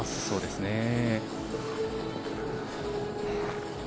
そうですね。